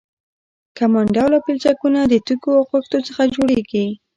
کمان ډوله پلچکونه د تیږو او خښتو څخه جوړیږي